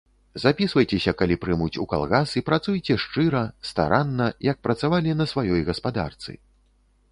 Запісвайцеся, калі прымуць, у калгас і працуйце шчыра, старанна, як працавалі на сваёй гаспадарцы.